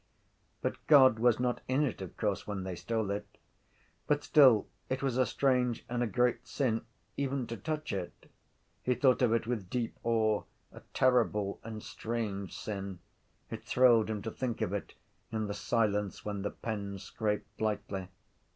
But God was not in it of course when they stole it. But still it was a strange and a great sin even to touch it. He thought of it with deep awe; a terrible and strange sin: it thrilled him to think of it in the silence when the pens scraped lightly.